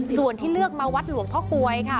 ส่วนที่เลือกมาวัดหลวงพ่อกลวยค่ะ